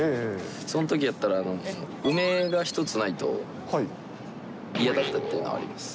そのときやったら、梅が１つないと、嫌だったというのがあります。